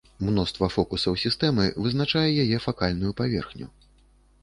Мноства фокусаў сістэмы вызначае яе факальную паверхню.